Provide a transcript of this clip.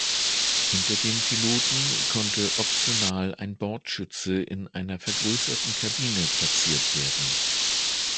Hinter dem Piloten konnte optional ein Bordschütze in einer vergrößerten Kabine platziert werden.